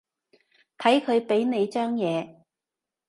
睇佢畀你張嘢